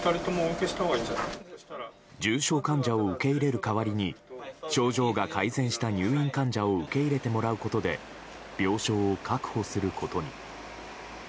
重症患者を受け入れる代わりに症状が改善した入院患者を受け入れてもらうことで病床を確保することに。